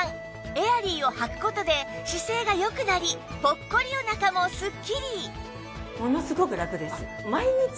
エアリーをはく事で姿勢が良くなりポッコリお腹もスッキリ！